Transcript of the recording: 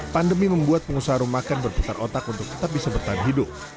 pandemi membuat pengusaha rumah makan berputar otak untuk tetap bisa bertahan hidup